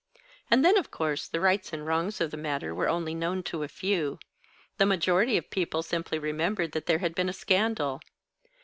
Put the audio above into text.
And then, of course, the rights and wrongs of the matter were only known to a few. The majority of people simply remembered that there had been a scandal.